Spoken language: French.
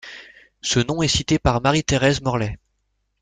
Ce nom est cité par Marie-Thérèse Morlet.